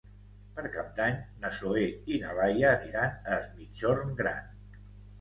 Per Cap d'Any na Zoè i na Laia aniran a Es Migjorn Gran.